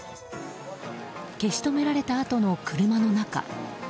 消し止められたあとの車の中。